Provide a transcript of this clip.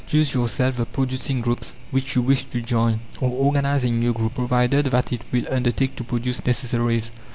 Choose yourself the producing groups which you wish to join, or organize a new group, provided that it will undertake to produce necessaries.